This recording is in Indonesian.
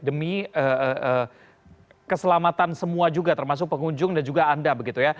demi keselamatan semua juga termasuk pengunjung dan juga anda begitu ya